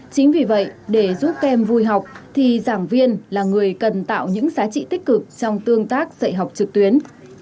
chính vì vậy để giúp các em vui học thì giảng viên là người cần tạo những giá trị tích cực trong tương tác dạy học trực tuyến